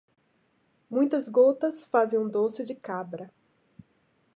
Muitas gotas fazem um doce de cabra.